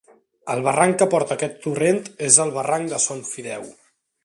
El barranc que porta aquest torrent, és el barranc de Son Fideu.